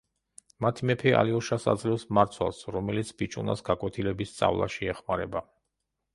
მათი მეფე ალიოშას აძლევს მარცვალს, რომელიც ბიჭუნას გაკვეთილების სწავლაში ეხმარება.